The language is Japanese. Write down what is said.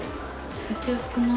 めっちゃ安くない？